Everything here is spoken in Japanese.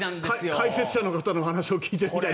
解説者の方の話を聞いてるみたい。